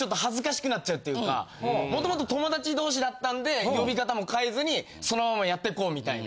元々友だち同士だったんで呼び方も変えずにそのままやって行こうみたいな。